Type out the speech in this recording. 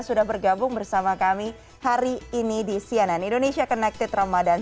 sudah bergabung bersama kami hari ini di cnn indonesia connected ramadan